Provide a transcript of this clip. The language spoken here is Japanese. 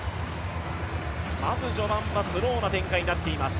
まず序盤はスローな展開になっています。